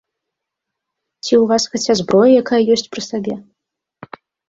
Ці ў вас хаця зброя якая ёсць пры сабе?